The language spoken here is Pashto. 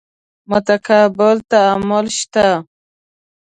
متقابل تعامل شته.